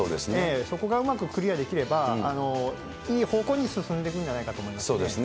そこがうまくクリアできれば、いい方向に進んでいくんじゃないかと思います。